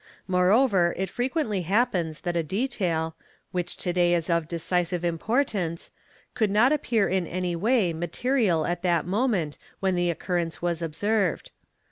Moreover it fre quently happens that a detail, which to day is of decisive importance, could not appear in any way material at the moment when the occur rence was observed.